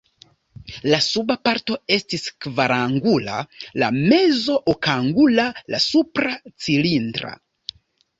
La suba parto estis kvarangula, la mezo okangula, la supra cilindra.